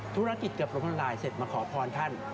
ธุรกิจเกือบล้มละลายเสร็จมาขอพรท่าน